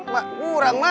mak kurang mak